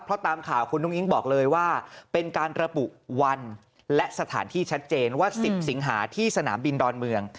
เพราะตามข่าวคุณอุ้งอิ๊งบอกเลยว่าเป็นการระบุวันและสถานที่ชัดเจนว่า๑๐สิงหาที่สนามบินดอนเมือง